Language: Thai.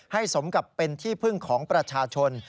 สมกับเป็นที่พึ่งของประชาชน